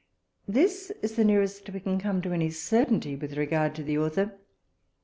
This is the nearest we can come to any certainty with regard to the author.